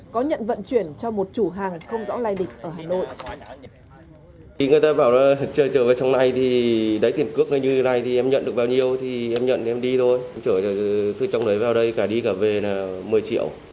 có nhận vận chuyển cho một chủ hàng không rõ lai lịch ở hà nội